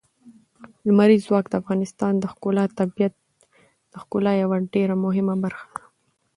لمریز ځواک د افغانستان د ښکلي طبیعت د ښکلا یوه ډېره مهمه برخه ده.